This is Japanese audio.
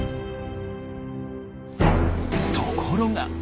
ところが！